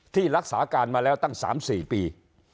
ที่รักษาการมาแล้วตั้งสามสี่ปี